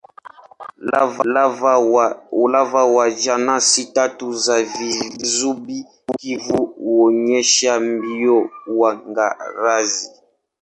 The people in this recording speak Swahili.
Lava wa jenasi tatu za visubi-kuvu huonyesha bio-uangazaji.